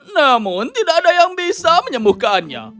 namun tidak ada yang bisa menyembuhkannya